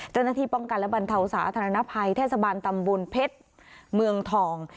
เจ้าหน้าที่ป้องกันและบรรเทาสาธารณภัยเทศบาลตำบลเพชรเมืองทอง